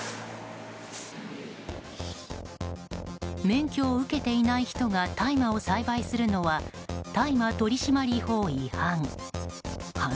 免許を受けていない人が大麻を栽培するのは大麻取締法違反。